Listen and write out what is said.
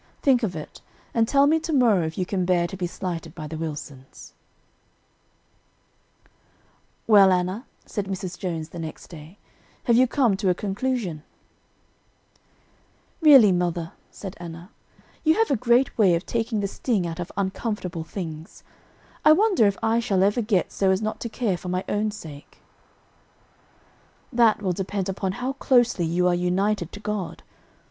Think of it, and tell me to morrow if you can bear to be slighted by the Wilsons." [Illustration: "Well, Anna, have you come to a conclusion?"] "Well, Anna," said Mrs. Jones the next day, "have you come to a conclusion?" "Really, mother," said Anna, "you have a great way of taking the sting out of uncomfortable things. I wonder if I shall ever get so as not to care for my own sake." "That will depend upon how closely you are united to God.